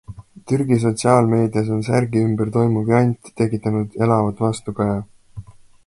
Türgi sotsiaalmeedias on särgi ümber toimuv jant tekitanud elavat vastukaja.